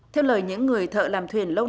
theo lời những người thợ làm thuyền lông đá